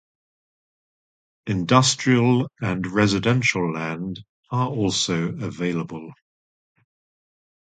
Industrial and residential land are also available.